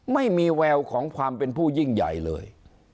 ไม่มีแววของความเป็นผู้ยิ่งใหญ่เลย